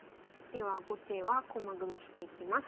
では後手は駒組みしていきます。